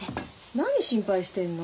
何心配してんの？